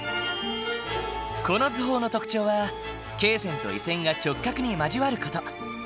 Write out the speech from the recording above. この図法の特徴は経線と緯線が直角に交わる事。